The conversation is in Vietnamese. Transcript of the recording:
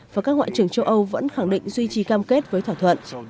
và các ngoại trưởng châu âu vẫn khẳng định duy trì cam kết với thỏa thuận